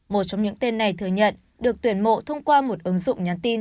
một trong những tên này thừa nhận được tuyển mộ thông qua một ứng dụng nhắn tin